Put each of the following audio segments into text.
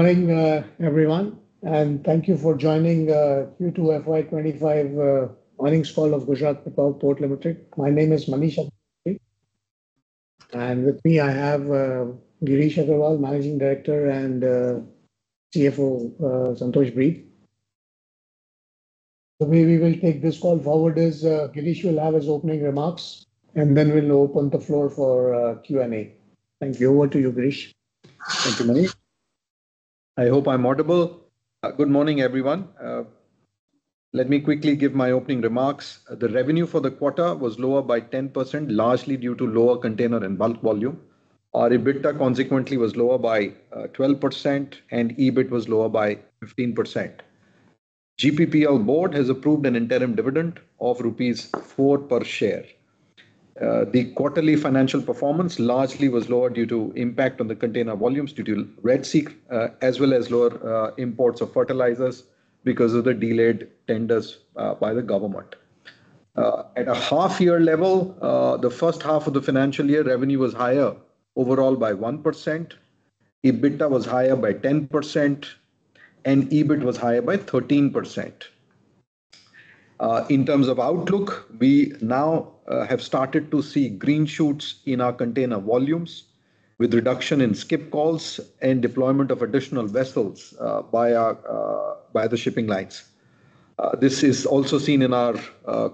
Morning, everyone, and thank you for joining Q2 FY 2025 earnings call of Gujarat Pipavav Port Ltd. My name is Manish Agnihotri, and with me I have Girish Aggarwal, Managing Director and CFO, Santosh Breed. So maybe we'll take this call forward as Girish will have his opening remarks, and then we'll open the floor for Q&A. Thank you. Over to you, Girish. Thank you, Manish. I hope I'm audible. Good morning, everyone. Let me quickly give my opening remarks. The revenue for the quarter was lower by 10%, largely due to lower container and bulk volume. Our EBITDA consequently was lower by 12%, and EBIT was lower by 15%. GPPL Board has approved an interim dividend of rupees 4 per share. The quarterly financial performance largely was lower due to impact on the container volumes due to Red Sea, as well as lower imports of fertilizers because of the delayed tenders by the government. At a half-year level, the first half of the financial year revenue was higher overall by 1%. EBITDA was higher by 10%, and EBIT was higher by 13%. In terms of outlook, we now have started to see green shoots in our container volumes with reduction in skip calls and deployment of additional vessels by the shipping lines. This is also seen in our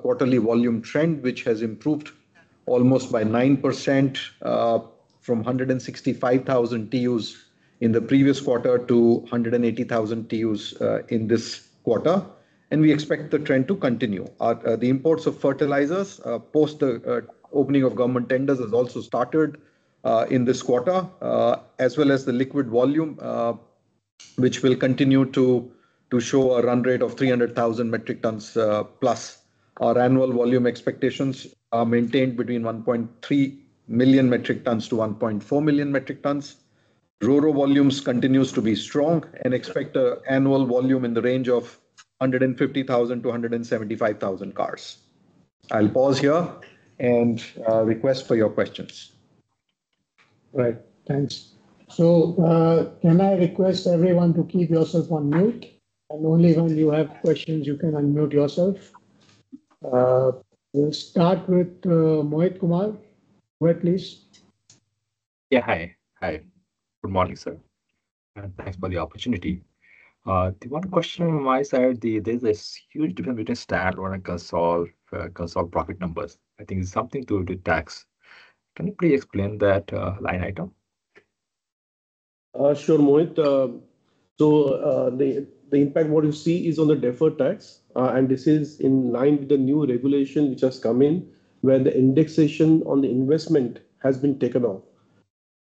quarterly volume trend, which has improved almost by 9% from 165,000 TEUs in the previous quarter to 180,000 TEUs in this quarter, and we expect the trend to continue. The imports of fertilizers post the opening of government tenders has also started in this quarter, as well as the liquid volume, which will continue to show a run rate of 300,000 metric tons plus. Our annual volume expectations are maintained between 1.3-1.4 million metric tons. Ro-Ro volumes continue to be strong, and expect annual volume in the range of 150,000-175,000 cars. I'll pause here and request for your questions. Right, thanks. So can I request everyone to keep yourself on mute, and only when you have questions you can unmute yourself? We'll start with Mohit Kumar. Mohit, please. Yeah, hi. Hi. Good morning, sir. Thanks for the opportunity. The one question on my side, there's this huge difference between standalone and consolidated profit numbers. I think it's something to do with tax. Can you please explain that line item? Sure, Mohit. So the impact what you see is on the deferred tax, and this is in line with the new regulation which has come in, where the indexation on the investment has been taken off.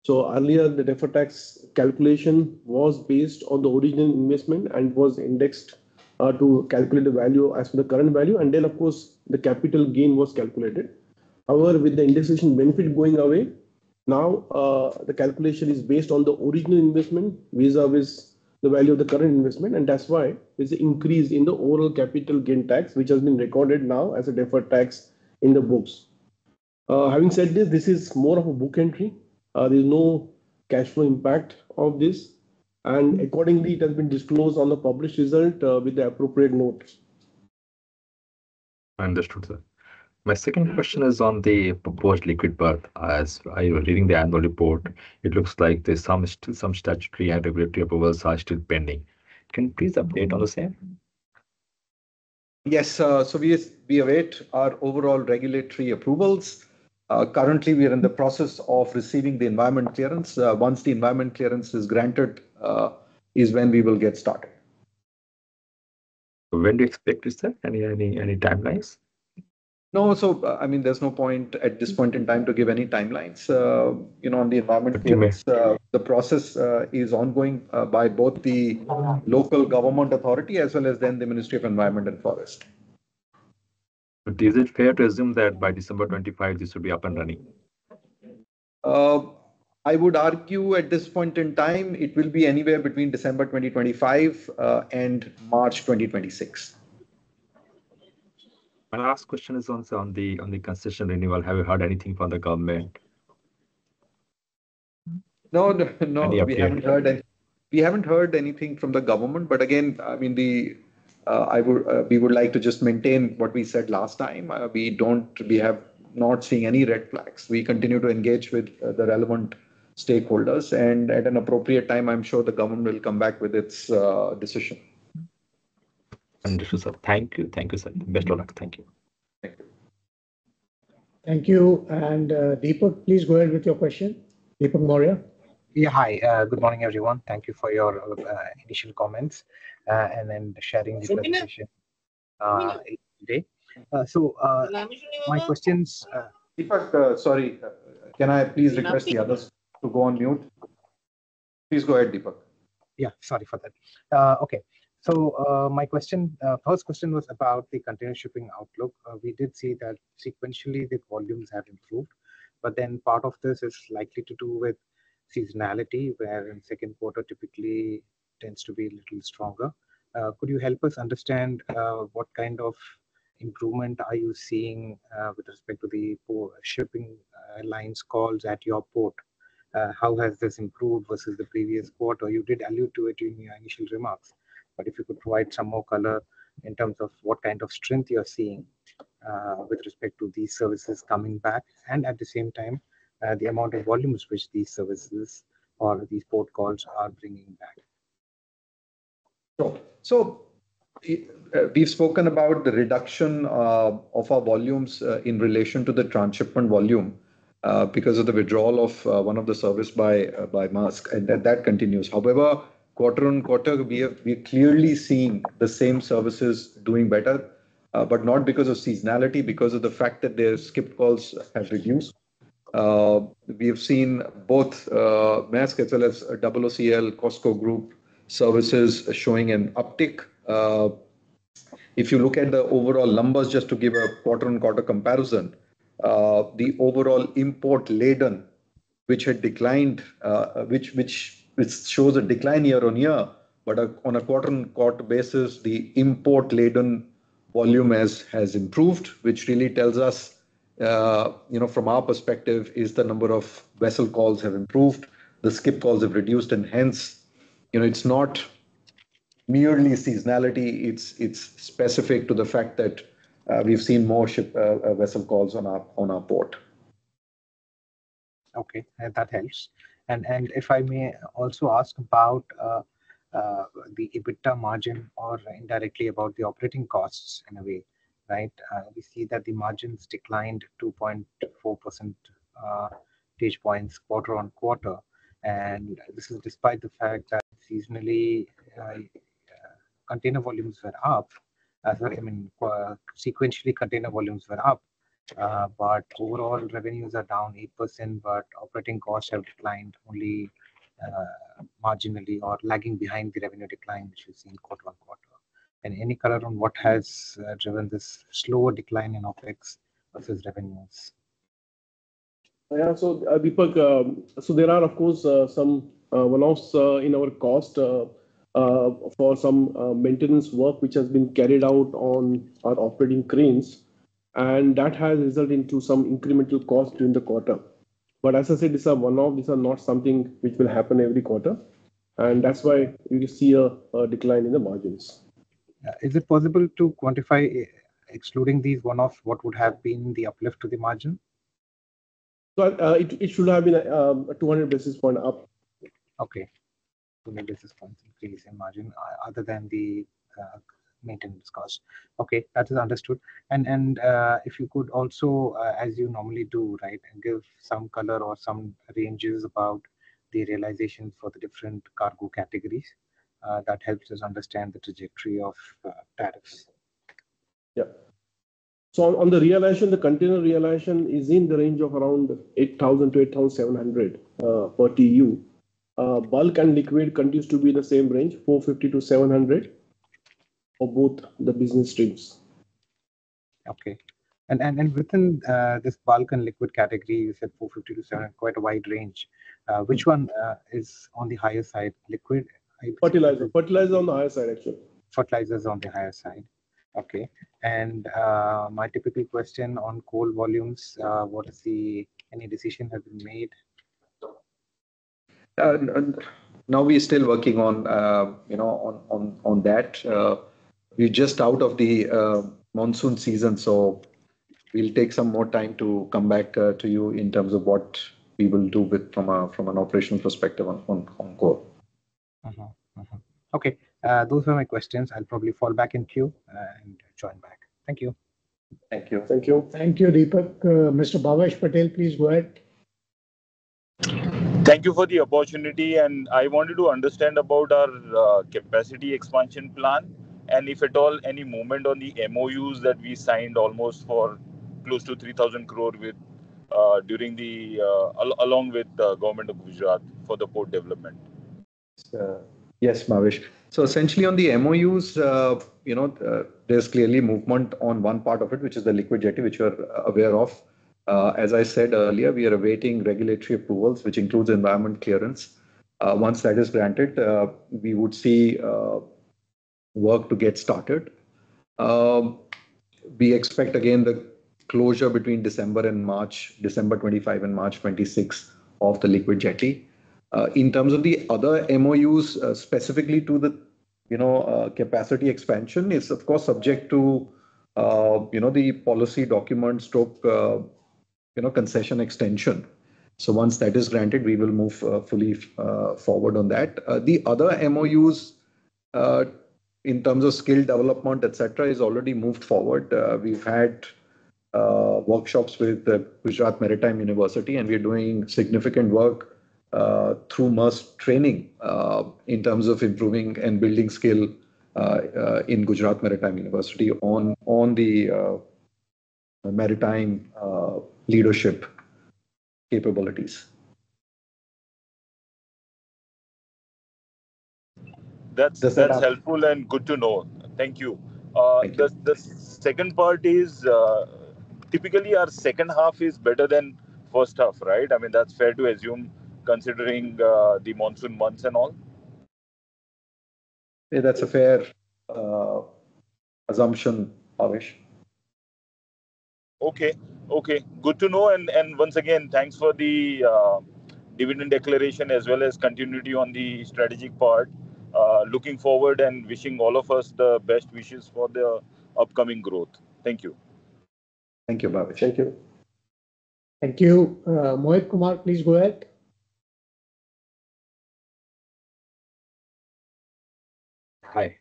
So earlier, the deferred tax calculation was based on the original investment and was indexed to calculate the value as per the current value, and then, of course, the capital gain was calculated. However, with the indexation benefit going away, now the calculation is based on the original investment vis-à-vis the value of the current investment, and that's why there's an increase in the overall capital gain tax, which has been recorded now as a deferred tax in the books. Having said this, this is more of a book entry. There's no cash flow impact of this, and accordingly, it has been disclosed on the published result with the appropriate notes. Understood, sir. My second question is on the proposed liquid berth. As I was reading the annual report, it looks like there's still some statutory and regulatory approvals that are still pending. Can you please update on the same? Yes. So we await our overall regulatory approvals. Currently, we are in the process of receiving the Environment Clearance. Once the Environment Clearance is granted, is when we will get started. When do you expect it, sir? Any timelines? No. So I mean, there's no point at this point in time to give any timelines. On the environment clearance, the process is ongoing by both the local government authority as well as then the Ministry of Environment and Forest. Is it fair to assume that by December 2025, this would be up and running? I would argue at this point in time, it will be anywhere between December 2025 and March 2026. My last question is also on the concession renewal. Have you heard anything from the government? No, no, we haven't heard anything from the government, but again, I mean, we would like to just maintain what we said last time. We have not seen any red flags. We continue to engage with the relevant stakeholders, and at an appropriate time, I'm sure the government will come back with its decision. Understood, sir. Thank you. Thank you, sir. Best of luck. Thank you. Thank you. Thank you. And Deepak, please go ahead with your question. Deepak Maurya? Yeah, hi. Good morning, everyone. Thank you for your initial comments and then sharing this presentation today. So my questions. Deepak, sorry. Can I please request the others to go on mute? Please go ahead, Deepak. Yeah, sorry for that. Okay. So my question, first question was about the continuous shipping outlook. We did see that sequentially the volumes have improved, but then part of this is likely to do with seasonality, where in second quarter typically tends to be a little stronger. Could you help us understand what kind of improvement are you seeing with respect to the shipping lines calls at your port? How has this improved versus the previous quarter? You did allude to it in your initial remarks, but if you could provide some more color in terms of what kind of strength you're seeing with respect to these services coming back, and at the same time, the amount of volumes which these services or these port calls are bringing back. So we've spoken about the reduction of our volumes in relation to the transshipment volume because of the withdrawal of one of the services by Maersk, and that continues. However, quarter on quarter, we're clearly seeing the same services doing better, but not because of seasonality, because of the fact that their skip calls have reduced. We have seen both Maersk as well as OOCL, COSCO Group services showing an uptick. If you look at the overall numbers, just to give a quarter-on-quarter comparison, the overall import laden, which had declined, which shows a decline year-on-year, but on a quarter-on-quarter basis, the import laden volume has improved, which really tells us, from our perspective, is the number of vessel calls have improved, the skip calls have reduced, and hence, it's not merely seasonality. It's specific to the fact that we've seen more vessel calls on our port. Okay, that helps. And if I may also ask about the EBITDA margin or indirectly about the operating costs in a way, right? We see that the margins declined 2.4 percentage points quarter on quarter, and this is despite the fact that seasonally container volumes were up. I mean, sequentially container volumes were up, but overall revenues are down 8%, but operating costs have declined only marginally or lagging behind the revenue decline which we've seen quarter-on-quarter. And any color on what has driven this slower decline in OpEx versus revenues? Yeah, so Deepak, so there are, of course, some one-offs in our cost for some maintenance work which has been carried out on our operating cranes, and that has resulted into some incremental cost during the quarter. But as I said, these are one-offs. These are not something which will happen every quarter, and that's why you see a decline in the margins. Is it possible to quantify, excluding these one-offs, what would have been the uplift to the margin? It should have been 200 basis points up. Okay, 200 basis points increase in margin other than the maintenance cost. Okay, that is understood. And if you could also, as you normally do, right, give some color or some ranges about the realization for the different cargo categories, that helps us understand the trajectory of tariffs. Yeah. So on the realization, the container realization is in the range of around 8,000-8,700 per TEU. Bulk and liquid continues to be the same range, 450-700 for both the business streams. Okay. And within this bulk and liquid category, you said 450-700, quite a wide range. Which one is on the higher side, liquid? Fertilizer. Fertilizer on the higher side, actually. Fertilizer is on the higher side. Okay. And my typical question on coal volumes, what is the any decision has been made? Now we're still working on that. We're just out of the monsoon season, so we'll take some more time to come back to you in terms of what we will do from an operational perspective on coal. Okay. Those were my questions. I'll probably fall back into and join back. Thank you. Thank you. Thank you. Thank you, Deepak. Mr. Bhavesh Patel, please go ahead. Thank you for the opportunity, and I wanted to understand about our capacity expansion plan and, if at all, any movement on the MOUs that we signed almost for close to 3,000 crore along with the government of Gujarat for the port development. Yes, Bhavesh. So essentially on the MOUs, there's clearly movement on one part of it, which is the liquid jetty, which we're aware of. As I said earlier, we are awaiting regulatory approvals, which includes Environment Clearance. Once that is granted, we would see work to get started. We expect, again, the closure between December and March, December 2025 and March 2026 of the liquid jetty. In terms of the other MOUs, specifically to the capacity expansion, it's, of course, subject to the policy document stroke concession extension. So once that is granted, we will move fully forward on that. The other MOUs in terms of skill development, etc., is already moved forward. We've had workshops with Gujarat Maritime University, and we're doing significant work Maersk Training in terms of improving and building skill in Gujarat Maritime University on the maritime leadership capabilities. That's helpful and good to know. Thank you. The second part is typically our second half is better than first half, right? I mean, that's fair to assume considering the monsoon months and all. Yeah, that's a fair assumption, Bhavesh. Okay. Okay. Good to know. And once again, thanks for the dividend declaration as well as continuity on the strategic part. Looking forward and wishing all of us the best wishes for the upcoming growth. Thank you. Thank you, Bhavesh. Thank you. Thank you. Mohit Kumar, please go ahead. Hi.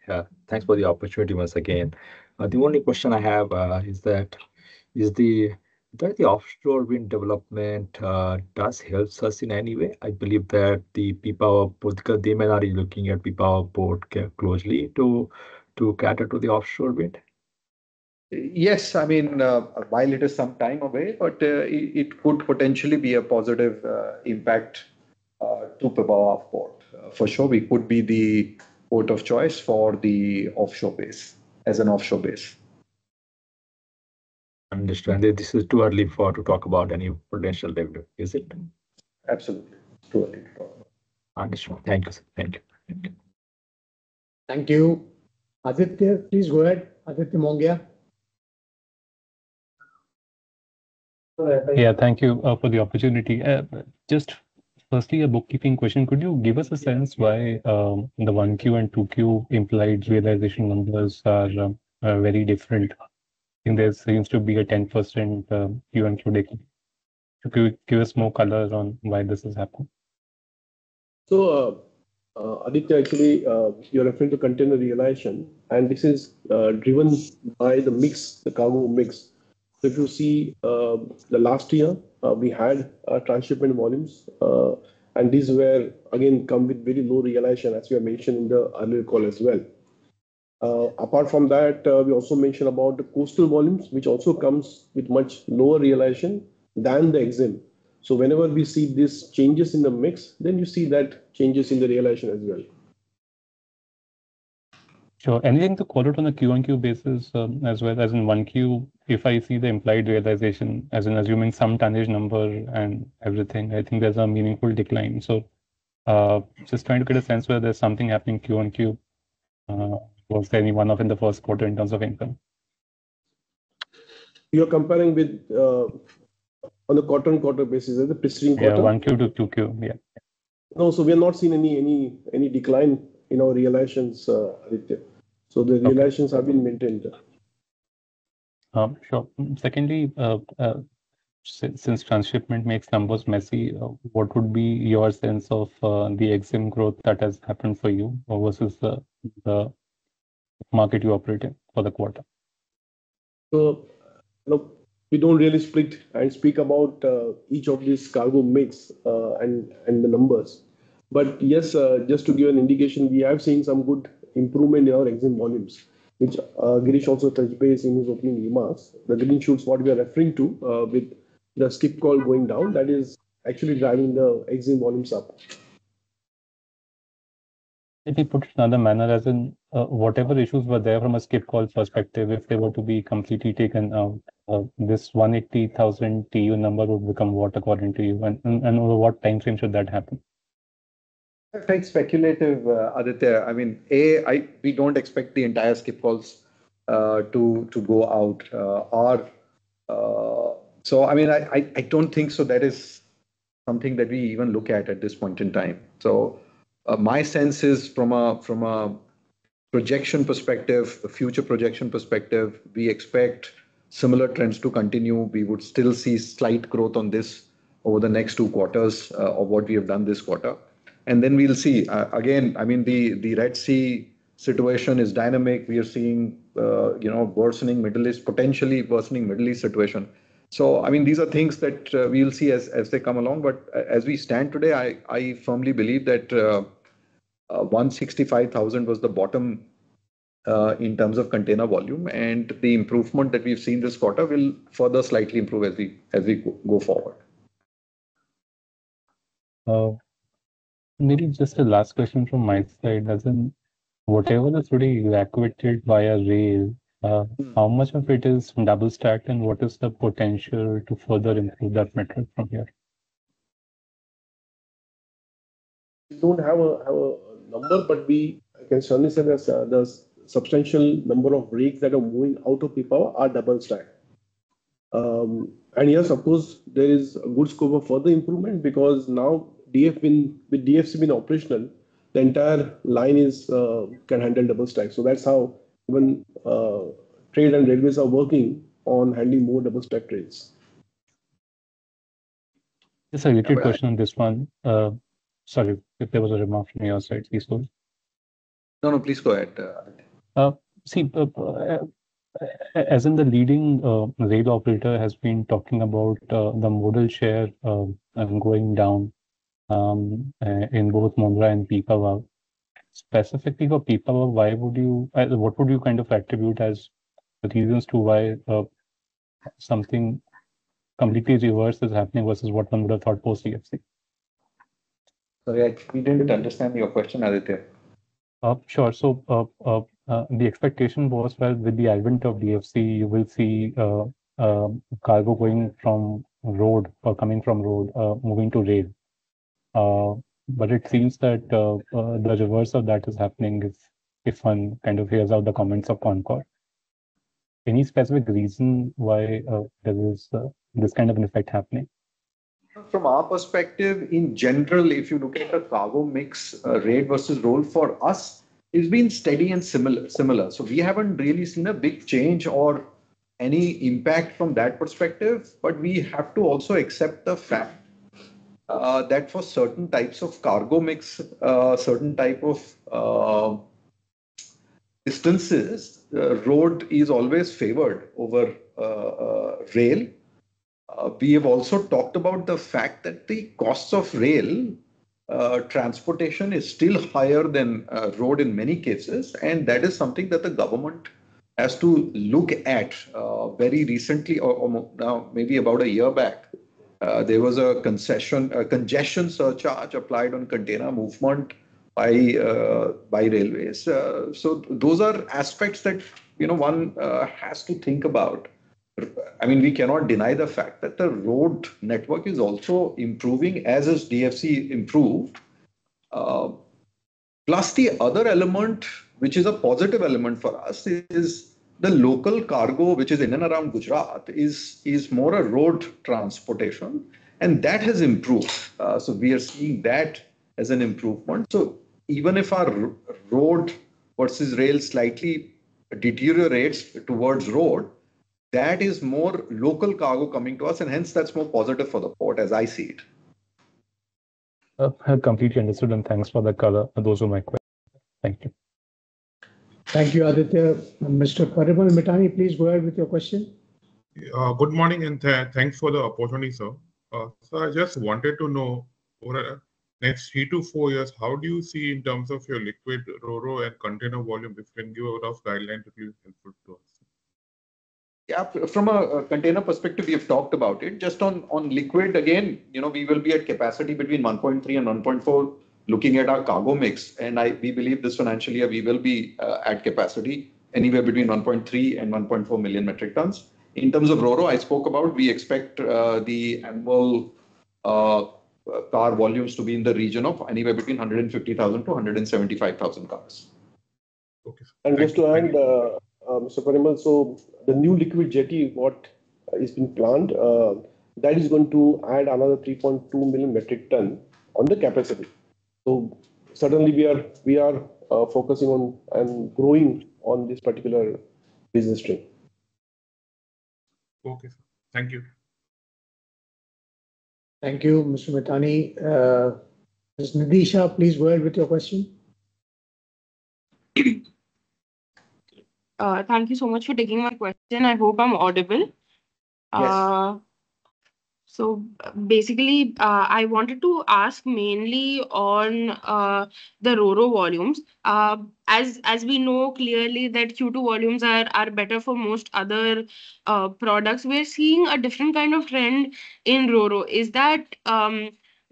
Thanks for the opportunity, once again. The only question I have is that, is there the offshore wind development does help us in any way? I believe that the Pipavav Port, they may not be looking at Pipavav Port closely to cater to the offshore wind. Yes. I mean, while it is some time away, but it could potentially be a positive impact to Pipavav Port. For sure, we could be the port of choice for the offshore base as an offshore base. Understood. This is too early to talk about any potential revenue, is it? Absolutely. Too early to talk about. Understood. Thank you, sir. Thank you. Thank you. Aditya, please go ahead. Aditya Mongia. Yeah, thank you for the opportunity. Just firstly, a bookkeeping question. Could you give us a sense why the 1Q and 2Q implied realization numbers are very different? I think there seems to be a 10% Q and Q data. Could you give us more color on why this is happening? So, Aditya, actually, you're referring to container realization, and this is driven by the mix, the cargo mix. So if you see the last year, we had transshipment volumes, and these were, again, come with very low realization, as you have mentioned in the earlier call as well. Apart from that, we also mentioned about the coastal volumes, which also comes with much lower realization than the EXIM. So whenever we see these changes in the mix, then you see that changes in the realization as well. Sure. Anything to call out on the Q and Q basis as well as in 1Q, if I see the implied realization, as in assuming some tonnage number and everything, I think there's a meaningful decline. So just trying to get a sense whether there's something happening Q and Q, was there any one-off in the first quarter in terms of income? You're comparing with on a quarter-on-quarter basis, is it the preceding quarter? Yeah, 1Q to 2Q. Yeah. No, so we have not seen any decline in our realizations, Aditya, so the realizations have been maintained. Sure. Secondly, since transshipment makes numbers messy, what would be your sense of the EXIM growth that has happened for you versus the market you operate in for the quarter? We don't really split and speak about each of these cargo mix and the numbers. But yes, just to give an indication, we have seen some good improvement in our EXIM volumes, which Girish also touched base in his opening remarks. The green shoots, what we are referring to with the skip call going down, that is actually driving the EXIM volumes up. If you put it in other manner, as in whatever issues were there from a skip call perspective, if they were to be completely taken out, this 180,000 TEU number would become what according to you? And over what time frame should that happen? I think speculative, Aditya. I mean, we don't expect the entire skip calls to go out. So I mean, I don't think so. That is something that we even look at at this point in time. So my sense is from a projection perspective, a future projection perspective, we expect similar trends to continue. We would still see slight growth on this over the next two quarters of what we have done this quarter. And then we'll see. Again, I mean, the Red Sea situation is dynamic. We are seeing worsening Middle East, potentially worsening Middle East situation. So I mean, these are things that we will see as they come along. But as we stand today, I firmly believe that 165,000 was the bottom in terms of container volume, and the improvement that we've seen this quarter will further slightly improve as we go forward. Maybe just a last question from my side. As in whatever is already evacuated via rail, how much of it is double-stacked, and what is the potential to further improve that metric from here? We don't have a number, but I can certainly say there's substantial number of rakes that are moving out of Pipavav are double-stacked. Yes, of course, there is a good scope of further improvement because now DFC has been operational, the entire line can handle double-stack. That's how even trade and railways are working on handling more double-stacked trains. Just a quick question on this one. Sorry, if there was a remark from your side, please go ahead. No, no, please go ahead. See, as in the leading rail operator has been talking about the modal share going down in both Mundra and Pipavav. Specifically for Pipavav, what would you kind of attribute as the reasons to why something completely reverse is happening versus what one would have thought post-DFC? Sorry, I didn't understand your question, Aditya. Sure. So the expectation was, well, with the advent of DFC, you will see cargo going from road or coming from road moving to rail. But it seems that the reverse of that is happening if one kind of hears out the comments of CONCOR. Any specific reason why there is this kind of an effect happening? From our perspective, in general, if you look at the cargo mix, rail versus road for us, it's been steady and similar. So we haven't really seen a big change or any impact from that perspective, but we have to also accept the fact that for certain types of cargo mix, certain type of distances, road is always favored over rail. We have also talked about the fact that the cost of rail transportation is still higher than road in many cases, and that is something that the government has to look at very recently, maybe about a year back. There was a congestion surcharge applied on container movement by railways. So those are aspects that one has to think about. I mean, we cannot deny the fact that the road network is also improving as is DFC improved. Plus, the other element, which is a positive element for us, is the local cargo, which is in and around Gujarat, is more a road transportation, and that has improved, so we are seeing that as an improvement, so even if our road versus rail slightly deteriorates towards road, that is more local cargo coming to us, and hence that's more positive for the port, as I see it. Completely understood, and thanks for the color. Those were my questions. Thank you. Thank you, Aditya. Mr. Parimal Mithani, please go ahead with your question. Good morning, and thanks for the opportunity, sir. So I just wanted to know, over the next three to four years, how do you see in terms of your liquid Ro-Ro and container volume? If you can give a rough guideline, it will be helpful to us. Yeah. From a container perspective, we have talked about it. Just on liquid, again, we will be at capacity between 1.3 and 1.4 looking at our cargo mix, and we believe this financial year we will be at capacity anywhere between 1.3 and 1.4 million metric tons. In terms of Ro-Ro, I spoke about, we expect the annual car volumes to be in the region of anywhere between 150,000 to 175,000 cars. Okay. Just to add, Mr. Parimal, the new liquid jetty that is being planned is going to add another 3.2 million metric tons to the capacity. So certainly, we are focusing on and growing in this particular business stream. Okay. Thank you. Thank you, Mr. Mithani. Ms. Nidisha, please go ahead with your question. Thank you so much for taking my question. I hope I'm audible. Yes. So basically, I wanted to ask mainly on the Ro-Ro volumes. As we know clearly that Q2 volumes are better for most other products, we're seeing a different kind of trend in Ro-Ro. Is that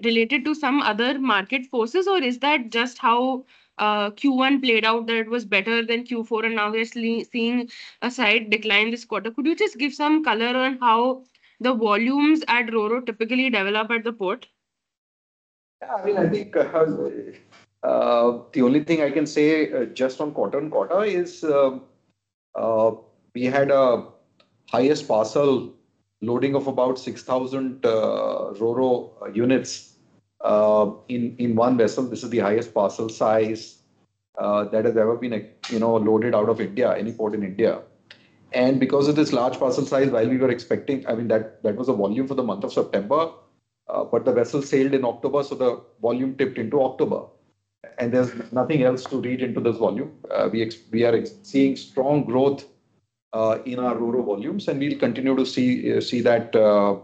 related to some other market forces, or is that just how Q1 played out that it was better than Q4, and now we're seeing a slight decline this quarter? Could you just give some color on how the volumes at Ro-Ro typically develop at the port? Yeah. I mean, I think the only thing I can say just on quarter-on-quarter is we had a highest parcel loading of about 6,000 Ro-Ro units in one vessel. This is the highest parcel size that has ever been loaded out of India, any port in India. And because of this large parcel size, while we were expecting, I mean, that was a volume for the month of September, but the vessel sailed in October, so the volume tipped into October. And there's nothing else to read into this volume. We are seeing strong growth in our Ro-Ro volumes, and we'll continue to see that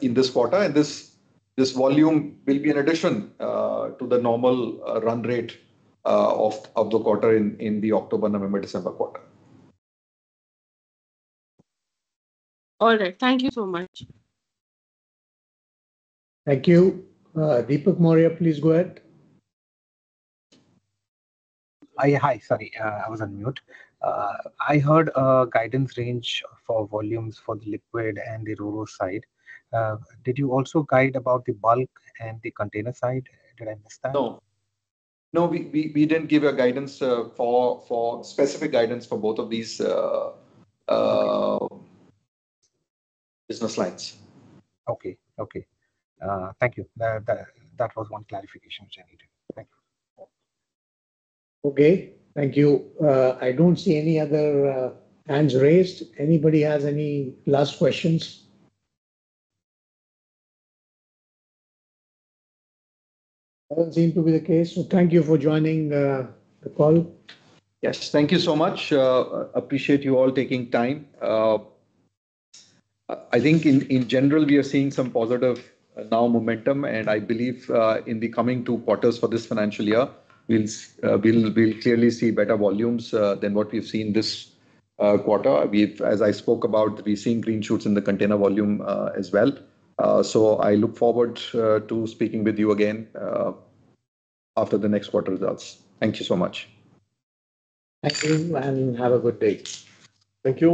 in this quarter. And this volume will be in addition to the normal run rate of the quarter in the October-November-December quarter. All right. Thank you so much. Thank you. Deepak Maurya, please go ahead. Hi. Sorry, I was on mute. I heard a guidance range for volumes for the liquid and the Ro-Ro side. Did you also guide about the bulk and the container side? Did I miss that? No. No, we didn't give specific guidance for both of these business lines. Okay. Okay. Thank you. That was one clarification which I needed. Thank you. Okay. Thank you. I don't see any other hands raised. Anybody has any last questions? Doesn't seem to be the case. So thank you for joining the call. Yes. Thank you so much. Appreciate you all taking time. I think in general, we are seeing some positive now momentum, and I believe in the coming two quarters for this financial year, we'll clearly see better volumes than what we've seen this quarter. As I spoke about, we're seeing green shoots in the container volume as well. So I look forward to speaking with you again after the next quarter results. Thank you so much. Thank you and have a good day. Thank you.